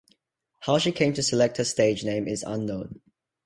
How she came to select her stage name is unknown.